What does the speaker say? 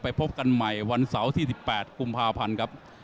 พบกันใหม่วันเสาร์ที่๑๘กุมภาพันธ์ครับ